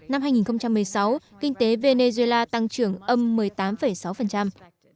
năm hai nghìn một mươi sáu kinh tế venezuela tăng trưởng âm một mươi tám sáu